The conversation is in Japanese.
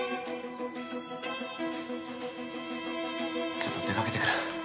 ちょっと出かけてくる。